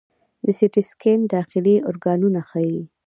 د سی ټي سکین داخلي ارګانونه ښيي.